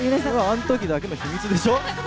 あのときだけの秘密でしょ！